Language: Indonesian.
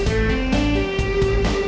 anjak paket kok